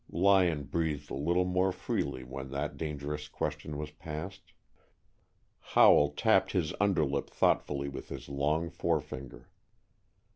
Lyon breathed a little more freely when that dangerous question was passed. Howell tapped his underlip thoughtfully with his long forefinger.